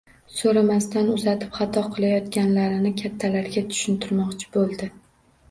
So`ramasdan uzatib xato qilayotganlarini kattalarga tushuntirmoqchi bo`ldi